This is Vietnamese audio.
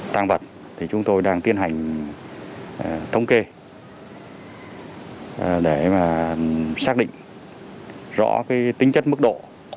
tăng vật thì chúng tôi đang tiến hành thống kê để mà xác định rõ tính chất mức độ